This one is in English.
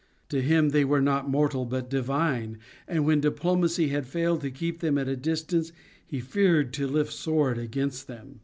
To him they were not mortal but divine and when diplomacy had failed to keep them at a distance he feared to lift a sword against them.